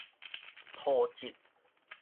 塗質